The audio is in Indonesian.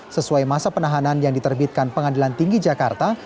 sesuai masa penahanan yang diterbitkan pengadilan tinggi jakarta